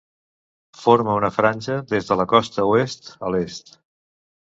Forma una franja des de la costa oest a l'est.